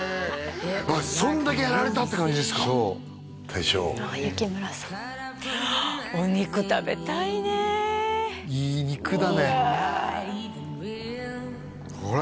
そんだけやられたって感じですかそうお肉食べたいねいい肉だねほら